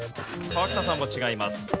川北さんも違います。